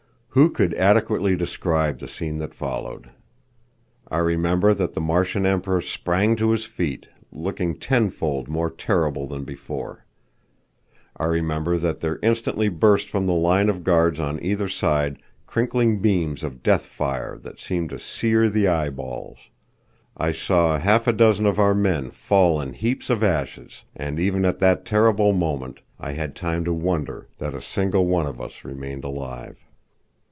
Who could adequately describe the scene that followed? I remember that the Martian Emperor sprang to his feet, looking tenfold more terrible than before. I remember that there instantly burst from the line of guards on either side crinkling beams of death fire that seemed to sear the eyeballs. I saw a half a dozen of our men fall in heaps of ashes, and even at that terrible moment I had time to wonder that a single one of us remained alive.